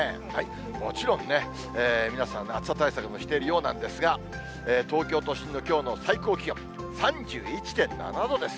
もちろんね、皆さん暑さ対策もしているようなんですが、東京都心のきょうの最高気温３１．７度です。